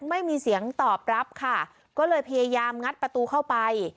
ไม่มีเสียงตอบรับค่ะก็เลยพยายามงัดประตูเข้าไป